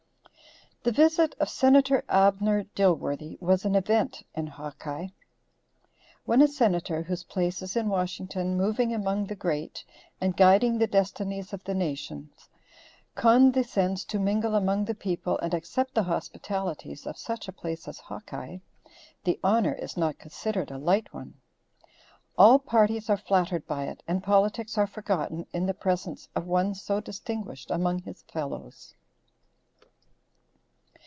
The visit of Senator Abner Dilworthy was an event in Hawkeye. When a Senator, whose place is in Washington moving among the Great and guiding the destinies of the nation, condescends to mingle among the people and accept the hospitalities of such a place as Hawkeye, the honor is not considered a light one. All parties are flattered by it and politics are forgotten in the presence of one so distinguished among his fellows.